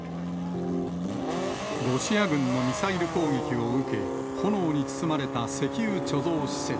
ロシア軍のミサイル攻撃を受け、炎に包まれた石油貯蔵施設。